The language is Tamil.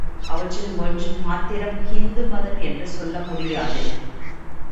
அவற்றில் ஒன்றை மாத்திரம் ஹிந்து மதம் என்று சொல்ல முடியாது.